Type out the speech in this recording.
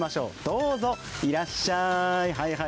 どうぞ、いらっしゃい。